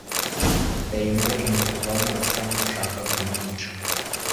Daimoni mu kumuvamo asa n'ushaka kumwica.